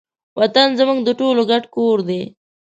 وطن زموږ د ټولو ګډ کور دی.